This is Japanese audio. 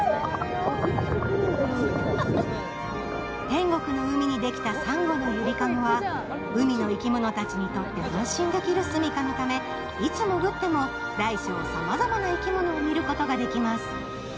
天国の海にできたさんごのゆりかごは、海の生き物たちにとって安心できる住みかのためいつ潜っても大小さまざまな生き物を見ることができます。